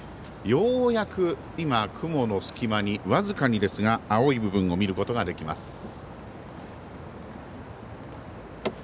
ようやく今、雲の隙間に僅かにですが青い部分を見ることができます。